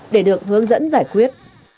để được hướng dẫn giải quyết